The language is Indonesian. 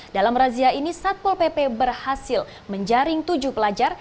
dalam razia ini satpol pp berhasil menjaring tujuh pelajar